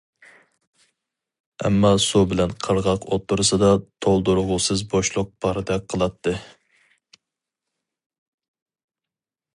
ئەمما سۇ بىلەن قىرغاق ئوتتۇرىسىدا تولدۇرغۇسىز بوشلۇق باردەك قىلاتتى.